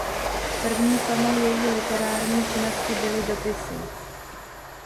První formou její literární činnosti byly dopisy.